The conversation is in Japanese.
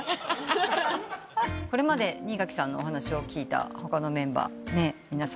これまで新垣さんのお話を聞いた他のメンバーの皆さん。